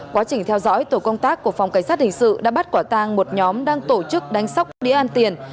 quá trình theo dõi tổ công tác của phòng cảnh sát hình sự đã bắt quả tang một nhóm đang tổ chức đánh sóc đi ăn tiền